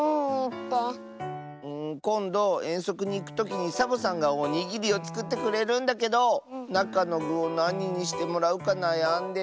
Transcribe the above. こんどえんそくにいくときにサボさんがおにぎりをつくってくれるんだけどなかのぐをなににしてもらうかなやんでて。